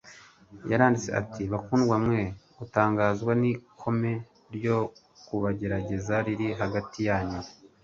yaranditse ati: "Bakundwa mwe gutangazwa n'ikome ryo kubagerageza riri hagati yanyu,